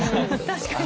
確かに。